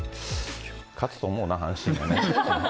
勝つと思うな、阪神がね。